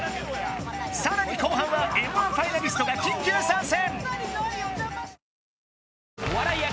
さらに後半はＭ１ファイナリストが緊急参戦！